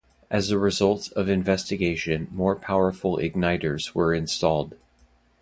As a result of investigation more powerful igniters were installed.